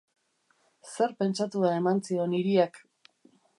Zer pentsatua eman zion hiriak.